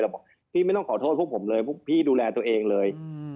บอกพี่ไม่ต้องขอโทษพวกผมเลยพวกพี่ดูแลตัวเองเลย